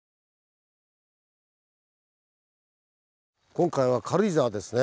今回は軽井沢ですね。